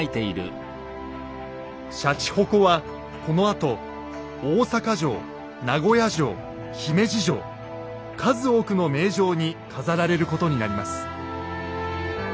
しゃちほこはこのあと大坂城名古屋城姫路城数多くの名城に飾られることになります。